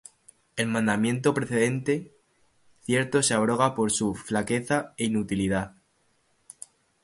El mandamiento precedente, cierto se abroga por su flaqueza é inutilidad;